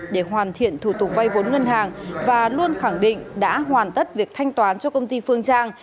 để hoàn thiện thủ tục vay vốn ngân hàng và luôn khẳng định đã hoàn tất việc thanh toán cho công ty phương trang